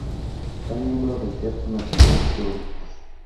Fue miembro del Teatro National Youth.